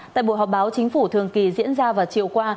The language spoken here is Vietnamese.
tại buổi họp báo chính phủ thường kỳ diễn ra vào chiều qua